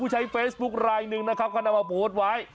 ใช้เฟซบุ๊คไลน์หนึ่งนะครับคำนำมาปูดไว้